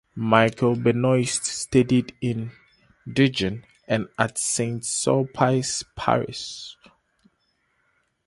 Michel Benoist studied in Dijon and at Saint Sulpice, Paris.